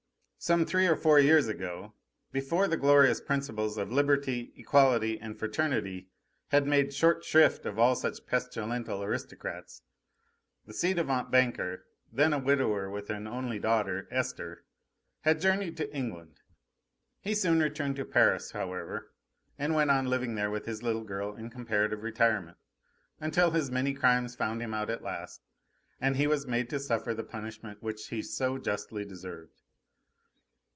Some three or four years ago, before the glorious principles of Liberty, Equality, and Fraternity had made short shrift of all such pestilential aristocrats, the ci devant banker, then a widower with an only daughter, Esther, had journeyed to England. He soon returned to Paris, however, and went on living there with his little girl in comparative retirement, until his many crimes found him out at last and he was made to suffer the punishment which he so justly deserved.